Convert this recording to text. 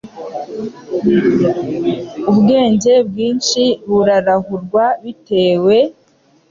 Ubwenge bwinshi burarahurwa bitewe…